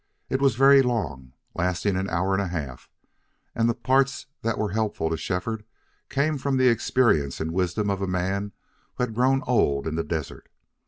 It was very long, lasting an hour and a half, and the parts that were helpful to Shefford came from the experience and wisdom of a man who had grown old in the desert.